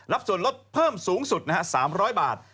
ส่วนลดเพิ่มสูงสุด๓๐๐บาท